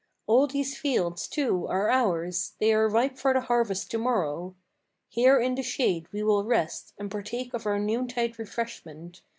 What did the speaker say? All these fields, too, are ours; they are ripe for the harvest to morrow. Here in the shade we will rest, and partake of our noontide refreshment.